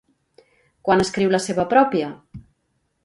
Quan escriu la seva pròpia?